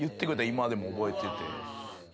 今でも覚えてて。